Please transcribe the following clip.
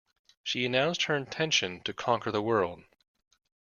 She announced her intention to conquer the world